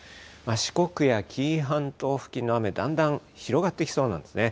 四国や紀伊半島付近の雨、だんだん広がってきそうなんですね。